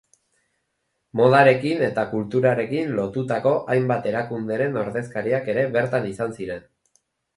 Modarekin eta kulturarekin lotutako hainbat erakunderen ordezkariak ere bertan izan ziren.